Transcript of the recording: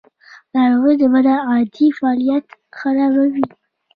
ناروغي د بدن عادي فعالیت خرابوي.